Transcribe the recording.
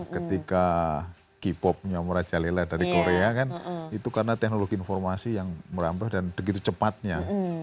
ketika k popnya merajalela dari korea kan itu karena teknologi informasi yang merambah dan begitu cepatnya